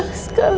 aku lelah sekali